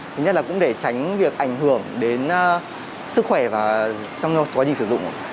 thứ nhất là cũng để tránh việc ảnh hưởng đến sức khỏe và trong quá trình sử dụng